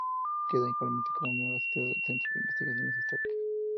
Queda igualmente como miembro asociada del Centro de investigaciones históricas.